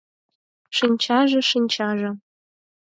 Шинчаже, шинчаже...